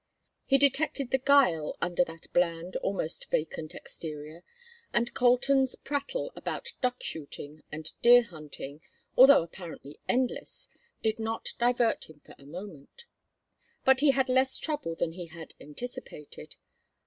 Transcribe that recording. He detected the guile under that bland, almost vacant exterior, and Colton's prattle about duck shooting and deer hunting, although apparently endless, did not divert him for a moment. But he had less trouble than he had anticipated.